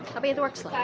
tapi itu works lah